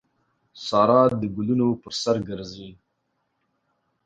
سارا د ګلانو پر سر ګرځي.